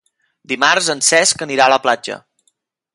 Dimarts en Cesc anirà a la platja.